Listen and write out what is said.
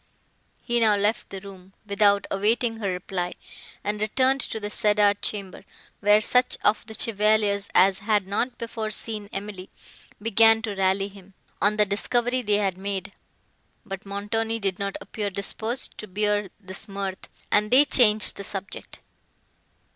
He now left the room, without awaiting her reply, and returned to the cedar chamber, where such of the chevaliers as had not before seen Emily, began to rally him, on the discovery they had made; but Montoni did not appear disposed to bear this mirth, and they changed the subject.